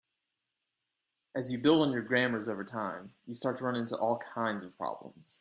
As you build on your grammars over time, you start to run into all kinds of problems.